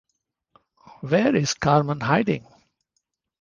Where is Carmen hiding?